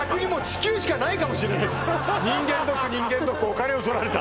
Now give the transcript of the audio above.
待ち受け画面「人間ドック」「人間ドック」「お金を取られた」